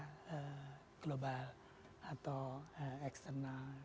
karena global atau eksternal